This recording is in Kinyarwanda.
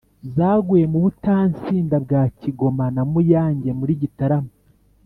zaguye mu butansinda bwa kigoma na muyange muri gitarama.